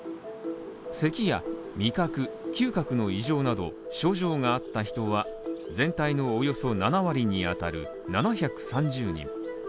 せきや味覚、嗅覚の異常など症状があった人は、全体のおよそ７割に当たる７３０人。